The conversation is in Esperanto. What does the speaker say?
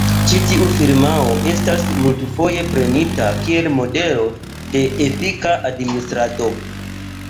Ĉi tiu firmao estas multfoje prenita kiel modelo de efika administrado.